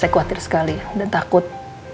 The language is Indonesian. saya khawatir sekali dan takut